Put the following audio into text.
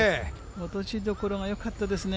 落としどころがよかったですね。